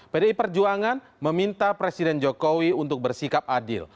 pdi perjuangan meminta presiden jokowi untuk bersikap adil